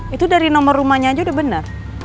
itu dari nomor rumahnya aja udah benar